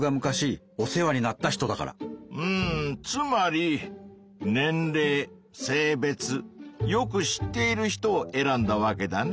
つまり年れい性別よく知っている人を選んだわけだね。